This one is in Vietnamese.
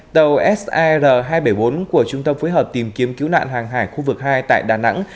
tàu sar hai trăm bảy mươi bốn của trung tâm phối hợp tìm kiếm cứu nạn hàng hải khu vực hai tại đà nẵng